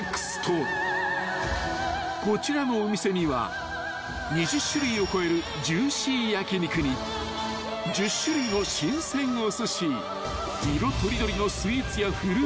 ［こちらのお店には２０種類を超えるジューシー焼き肉に１０種類の新鮮おすし色取り取りのスイーツやフルーツ